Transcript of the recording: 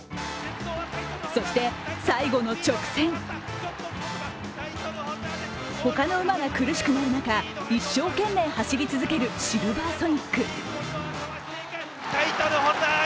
そして、最後の直線他の馬が苦しくなる中、一生懸命、走り続けるシルヴァーソニック。